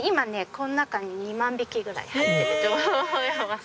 この中に２万匹ぐらい入ってると思います。